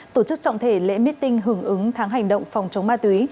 tổ chức trọng thể lễ meeting hưởng ứng tháng hành động phòng chống ma túy